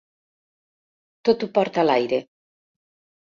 Tot ho porta l'aire.